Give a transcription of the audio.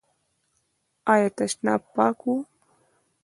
ایا تشناب پاک و؟